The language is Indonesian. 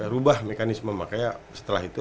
rubah mekanisme makanya setelah itu